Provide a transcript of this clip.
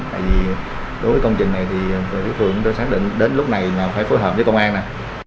tại vì đối với công trình này thì phường đã xác định đến lúc này mà phải phối hợp với công an